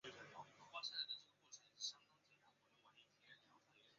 巴塞隆拿是冠军。